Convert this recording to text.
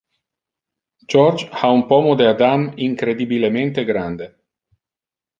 George ha un pomo de Adam incredibilemente grande.